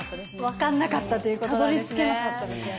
分かんなかったということなんですね。